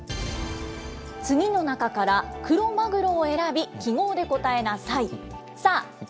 次の中からクロマグロを選び、記号で答えなさい。